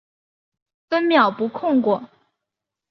分秒不空过